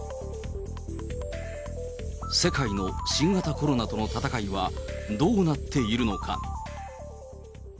世界の新型コロナとの戦いはどうなっているのか。